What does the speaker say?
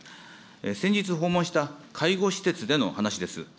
先日訪問した介護施設での話です。